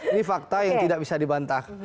ini fakta yang tidak bisa dibantah